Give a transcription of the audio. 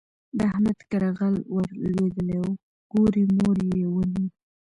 د احمد کره غل ور لوېدلی وو؛ ګوری موری يې ونيو.